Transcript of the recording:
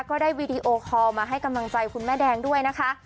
วีดีโอคอลมาให้กำลังใจคุณแม่แดงด้วยนะคะ